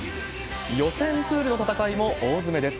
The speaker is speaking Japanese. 予選プールの戦いも大詰めです。